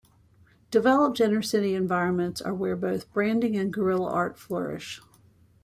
Developed, inner-city environments are where both branding and guerrilla art flourish.